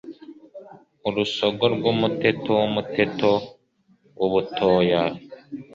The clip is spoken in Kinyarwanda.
Urusogo rw'umuteto w'umuteto w'ubutoya